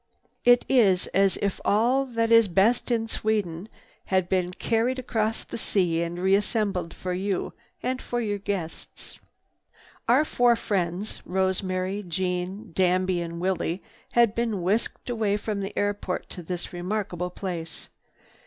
It is as if all that is best in Sweden had been carried across the sea and reassembled for you and for your guests. Our four friends, Rosemary, Jeanne, Danby and Willie had been whisked away from the airport to this remarkable place.